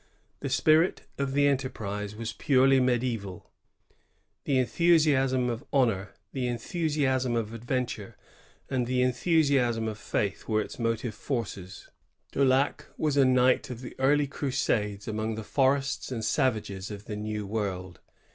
The spirit of the enterprise was purely mediaeval. The enthusiasm of honor, the enthusiasm of adven ture, and the enthusiasm of faith were its motive forces. Daulac was a knight of the early crusades among the forests and savages of the New World.